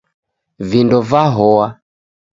Vindo vahoa